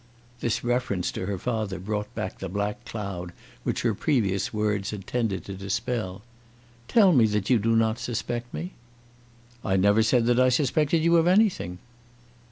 This reference to her father brought back the black cloud which her previous words had tended to dispel. "Tell me that you do not suspect me." "I never said that I suspected you of anything."